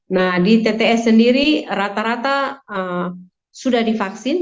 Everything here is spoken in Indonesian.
nah di tts sendiri rata rata sudah divaksin